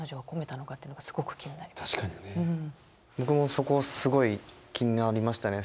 僕もそこすごい気になりましたね。